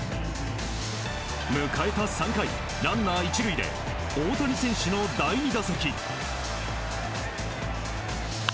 迎えた３回、ランナー１塁で大谷選手の第２打席。